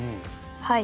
はい。